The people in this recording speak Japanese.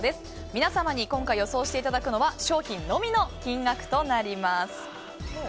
皆様に今回予想していただくのは商品のみの金額となります。